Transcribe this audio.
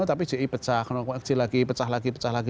tapi gi pecah kemudian keci lagi pecah lagi